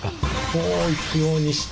こう行くようにして。